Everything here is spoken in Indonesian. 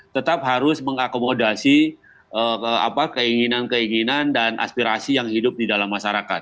tetap harus mengakomodasi keinginan keinginan dan aspirasi yang hidup di dalam masyarakat